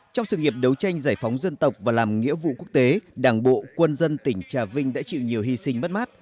trong sự nghiệp đấu tranh giải phóng dân tộc và làm nghĩa vụ quốc tế đảng bộ quân dân tỉnh trà vinh đã chịu nhiều hy sinh mất mát